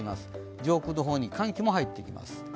上空の方に寒気も入ってきます。